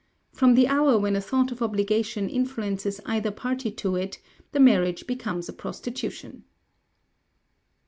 From the hour when a thought of obligation influences either party to it, the marriage becomes a prostitution."